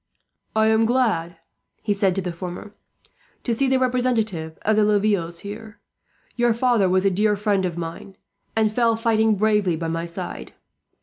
"I am glad," he said to the former, "to see the representative of the Lavilles here. Your father was a dear friend of mine, and fell fighting bravely by my side.